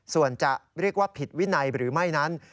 ส่วนจะเรียกว่าผิดวินัยหรือไม่นั้น